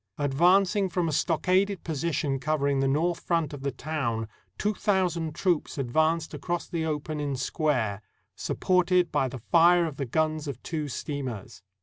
Advancing from a stockaded position covering the north front of the town, two thousand troops advanced across the open in square, supported by the fire of the guns of two steam ers.